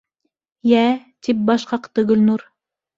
- Йә, - тип баш ҡаҡты Гөлнур.